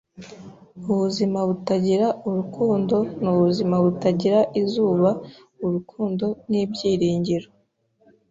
Ubuzima butagira urukundo nubuzima butagira izuba Urukundo n'ibyiringiro.